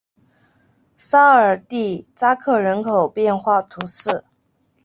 沙尔蒂扎克人口变化图示